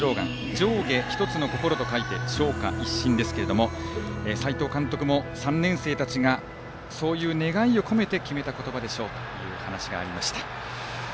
上下１つの心と書いて「上下一心」ですが斎藤監督も３年生たちがそういう願いを込めて決めた言葉ですという話がありました。